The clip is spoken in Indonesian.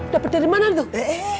dapet dari mana tuh